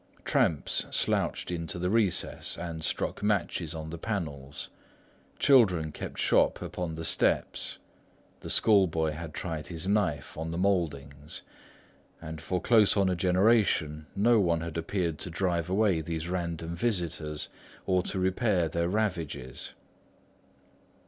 Tramps slouched into the recess and struck matches on the panels; children kept shop upon the steps; the schoolboy had tried his knife on the mouldings; and for close on a generation, no one had appeared to drive away these random visitors or to repair their ravages.